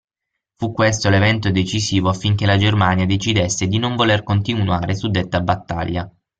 Fu questo l'evento decisivo affinché la Germania decidesse di non voler continuare suddetta battaglia.